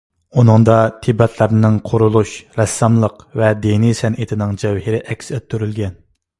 ئۇنىڭدا تىبەتلەرنىڭ قۇرۇلۇش، رەسساملىق ۋە دىنىي سەنئىتىنىڭ جەۋھىرى ئەكس ئەتتۈرۈلگەن.